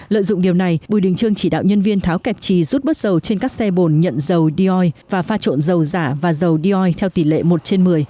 lợi dụng điều này bùi đình trương chỉ đạo nhân viên tháo kẹp trì rút bớt dầu trên các xe bồn nhận dầu d o i và pha trộn dầu giả và dầu d o i theo tỷ lệ một trên một mươi